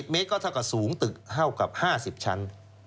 เมตรก็เท่ากับสูงตึกเท่ากับ๕๐ชั้น